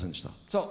そう。